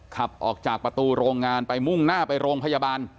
ขับออกจากประตูโรงงานไปมุ่งหน้าไปโรงพยาบาล